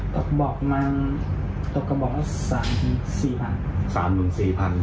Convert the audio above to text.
ต่อขบมันต่อขบต่อ๓๔๐๐๐